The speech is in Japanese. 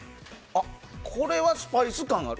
これはスパイス感ある。